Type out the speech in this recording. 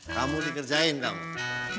kamu dikerjain kamu